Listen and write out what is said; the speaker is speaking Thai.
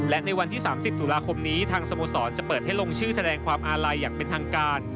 และในวันที่๓๐ตุลาคมนี้ทางสโมสรจะเปิดให้ลงชื่อแสดงความอาลัยอย่างเป็นทางการ